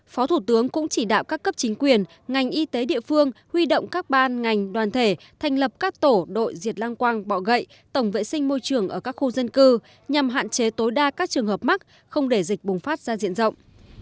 phó thủ tướng cũng chỉ đạo các cấp chính quyền ngành y tế địa phương huy động các ban ngành đoàn thể thành lập các tổ đội diệt lăng quăng bọ gậy tổng vệ sinh môi trường ở các khu dân cư nhằm hạn chế tối đa các trường hợp mắc không để dịch bùng phát ra diện rộng